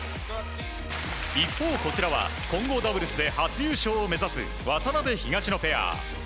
一方、こちらは混合ダブルスで初優勝を目指す渡辺、東野ペア。